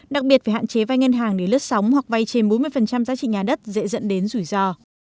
đặc biệt phải hạn chế vai ngân hàng để lướt sóng hoặc vay trên bốn mươi giá trị nhà đất dễ dẫn đến rủi ro